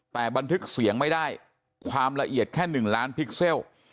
แต่บันทึกเสียงไม่ได้ความละเอียดแค่๑ล้านพิกเซล